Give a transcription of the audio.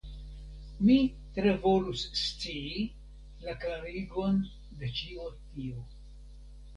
Mi tre volus scii la klarigon de ĉio tio.